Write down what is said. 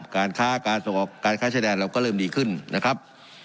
การค้าการส่งออกการค้าชายแดนเราก็เริ่มดีขึ้นนะครับ